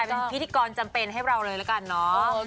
เป็นพิธีกรจำเป็นให้เราเลยละกันเนาะ